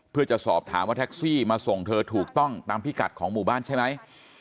เพื่อจะสอบถามว่าแท็กซี่มาส่งเธอถูกต้องตามพิกัดของหมู่บ้านใช่ไหม